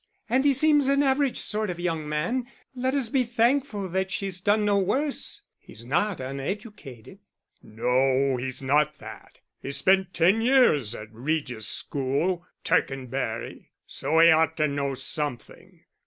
And he seems an average sort of young man let us be thankful that she's done no worse. He's not uneducated." "No, he's not that. He spent ten years at Regis School, Tercanbury; so he ought to know something."